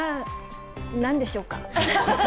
なんでしょうか。